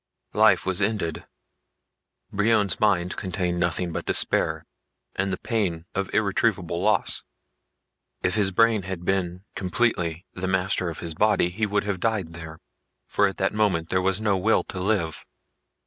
XIV Life was ended. Brion's mind contained nothing but despair and the pain of irretrievable loss. If his brain had been completely the master of his body he would have died there, for at that moment there was no will to live.